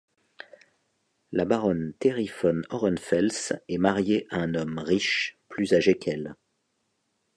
La baronne Teri von Horhenfels est mariée à un homme riche plus âgé qu'elle.